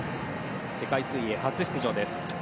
世界水泳初出場です。